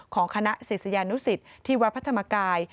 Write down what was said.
ของคณะศิษยานุสิตที่วัดพระธรรมกาย